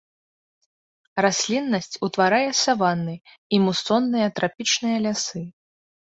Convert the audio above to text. Расліннасць утварае саванны і мусонныя трапічныя лясы.